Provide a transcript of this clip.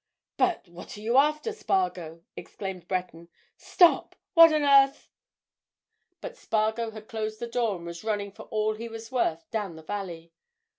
"But—what are you after, Spargo?" exclaimed Breton. "Stop! What on earth——" But Spargo had closed the door and was running for all he was worth down the valley.